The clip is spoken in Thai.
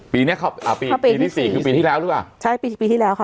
ปีเนี้ยเขาอ่าปีปีที่สี่คือปีที่แล้วหรือเปล่าใช่ปีปีที่แล้วค่ะ